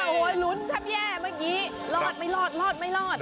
โอ้โหลุ้นแทบแย่เมื่อกี้รอดไม่รอดรอดไม่รอด